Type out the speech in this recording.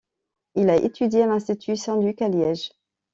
Il a étudié à l’Institut Saint-Luc à Liège.